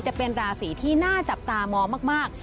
จะเป็นราศีที่น่าจับตามองมาก